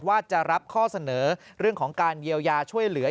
ว่าจะรับข้อเสนอเรื่องของการเยียวยาช่วยเหลือ